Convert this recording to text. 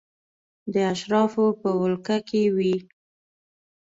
د اشرافو په ولکه کې وې.